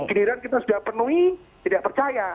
giliran kita sudah penuhi tidak percaya